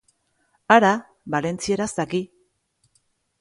Hara, valentzieraz daki!